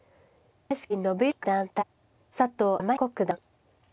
屋敷伸之九段対佐藤天彦九段。